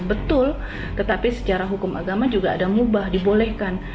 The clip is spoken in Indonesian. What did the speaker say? betul tetapi secara hukum agama juga ada mubah dibolehkan